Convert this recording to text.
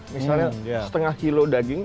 misalnya setengah kilo daging